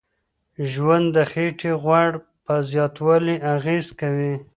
ژوند د خېټې غوړ په زیاتوالي اغیز کوي.